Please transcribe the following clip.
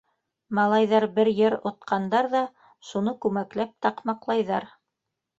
Малайҙар бер йыр отҡандар ҙа шуны күмәкләп таҡмаҡлайҙар: